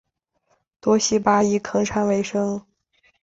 多希巴以垦山为生。